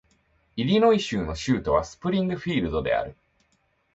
イリノイ州の州都はスプリングフィールドである